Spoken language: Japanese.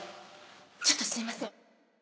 ちょっとすいません